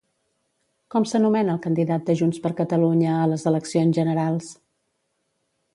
Com s'anomena el candidat de Junts per Catalunya a les eleccions generals?